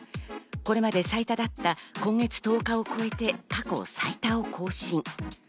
これまで最多だった今月１０日を超えて過去最多を更新。